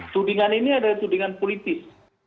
tudingan ini adalah tudingan politis